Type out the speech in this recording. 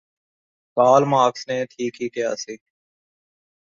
Karl Marx ਨੇ ਠੀਕ ਹੀ ਕਿਹਾ ਸੀ